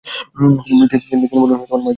তিনি বললেন, মসজিদুল হারম।